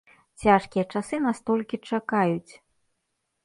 Цяжкія часы нас толькі чакаюць.